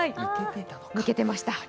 抜けていました。